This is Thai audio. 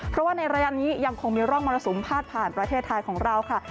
เพราะว่าในระยะนี้ยังคงมีร่องมรสุมพาดผ่านประเทศไทยของเราค่ะ